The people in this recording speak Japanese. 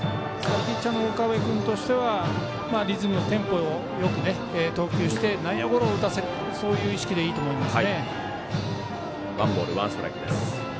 ピッチャーの岡部君としてはリズム、テンポをよく投球をして内野ゴロを打たせるという意識でいいと思います。